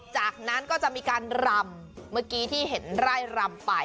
จากนั้นก็จะมีการรำเมื่อกี้ที่เห็นไร่รำไป